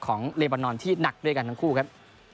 ของเลบานอนที่หนักด้วยกันทั้งคู่ครับ